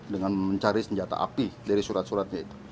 dengan mencari senjata api dari surat suratnya itu